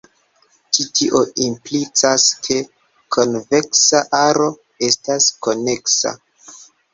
Ĉi tio implicas ke konveksa aro estas koneksa.